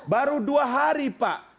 baru dua hari pak